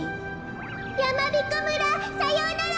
やまびこ村さようなら！